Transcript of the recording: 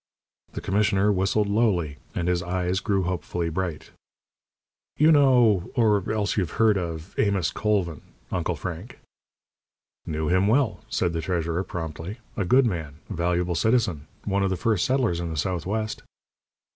The commissioner whistled lowly, and his eyes grew hopefully bright. "You know, or else you've heard of, Amos Colvin, Uncle Frank?" "Knew him well," said the treasurer, promptly. "A good man. A valuable citizen. One of the first settlers in the Southwest."